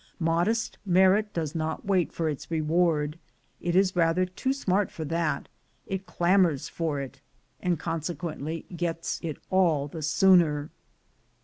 Modest merit does not wait for its reward — it is rather too smart for that — it clamors for it, and consequently gets it all the sooner.